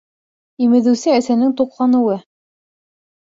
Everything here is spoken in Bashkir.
Имеҙеүсе әсәнең туҡланыуы